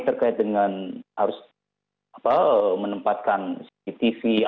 terkait dengan harus menempatkan cctv